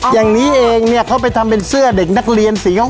อย่างนี้เองเนี่ยเขาไปทำเป็นเสื้อเด็กนักเรียนสีห้อง